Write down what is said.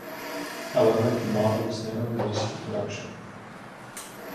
However, the model was never released for production.